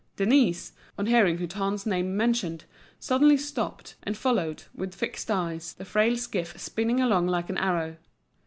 Denise, on hearing Hutin's name mentioned, suddenly stopped, and followed, with fixed eyes, the frail skiff spinning along like an arrow.